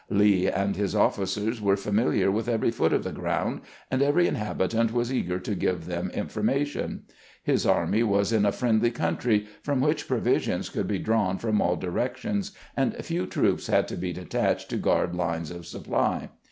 Lee and his officers were familiar with every foot of the ground, and every inhabitant was eager to give them information. His army was in a friendly country, from which provisions could be drawn from all directions, and few troops had to be detached to guard lines of supply.